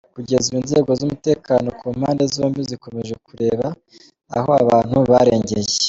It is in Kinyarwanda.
kugeza ubu inzego z’umutekano ku mpande zombi zikomeje kureba aho aba bantu barengeye.